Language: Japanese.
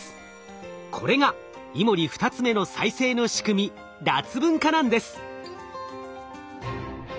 これがイモリ２つ目の再生の仕組み脱分化なんです。